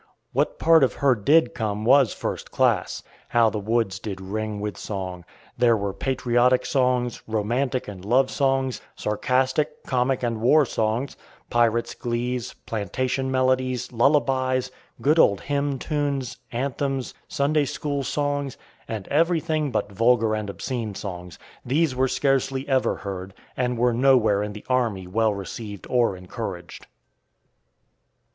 What part of her did come was first class. How the woods did ring with song! There were patriotic songs, romantic and love songs, sarcastic, comic, and war songs, pirates' glees, plantation melodies, lullabies, good old hymn tunes, anthems, Sunday school songs, and everything but vulgar and obscene songs; these were scarcely ever heard, and were nowhere in the army well received or encouraged.